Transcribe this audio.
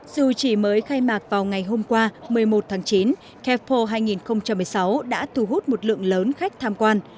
dù chỉ mới khai mạc vào ngày hôm qua một mươi một tháng chín capo hai nghìn một mươi sáu đã thu hút một lượng lớn khách tham quan